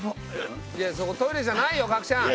いやそこトイレじゃないよ角ちゃん。